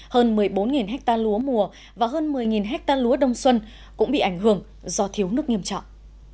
hơn một mươi bốn hectare lúa mùa và hơn một mươi hectare lúa đông xuân cũng bị ảnh hưởng do thiếu nước nghiêm trọng